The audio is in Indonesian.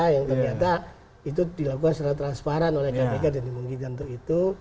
yang ternyata itu dilakukan secara transparan oleh kpk dan dimungkinkan untuk itu